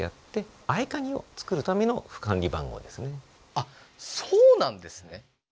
あっそうなんですね。